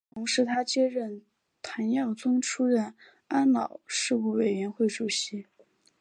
同时他接替谭耀宗出任安老事务委员会主席。